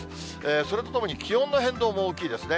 それとともに、気温の変動も大きいですね。